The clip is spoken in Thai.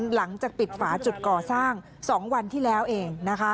หลังจากปิดฝาจุดก่อสร้าง๒วันที่แล้วเอง